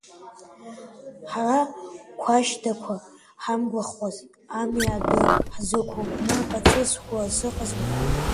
Ҳара қәашьдақәа, ҳамгәахәаз ами адәы ҳзықәу, мап ацәыскуа сыҟазма.